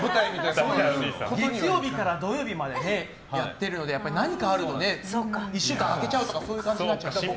月曜日から土曜日まででやっているので何かあると１週間空けちゃうとかそういう感じになっちゃうので。